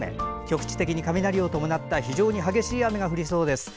局地的に雷を伴った非常に激しい雨が降りそうです。